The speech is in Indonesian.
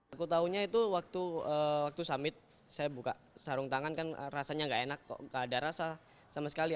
aku taunya itu waktu summit saya buka sarung tangan kan rasanya nggak enak kok gak ada rasa sama sekali